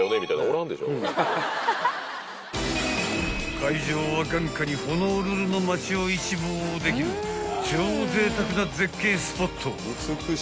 ［会場は眼下にホノルルの街を一望できる超ぜいたくな絶景スポット］